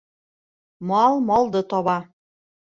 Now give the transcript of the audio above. Мал малды таба.